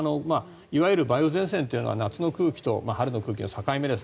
いわゆる梅雨前線というのは夏の空気と春の空気の境目です。